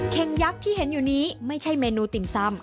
งยักษ์ที่เห็นอยู่นี้ไม่ใช่เมนูติ่มซำ